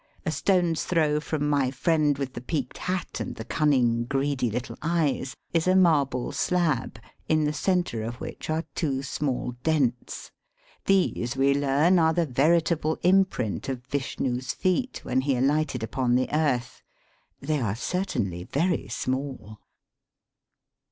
A stone's throw from my friend with the peaked hat and the cunning, greedy little eyes, is a marble slab, in the centre of which are two small dents. These, we learn, are the veritable imprint of Vishnu's feet when he alighted upon the earth. They are certainly very small.